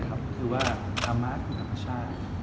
ผมเรียกว่าธรรมะแทนมหัวใจธรรมชาติ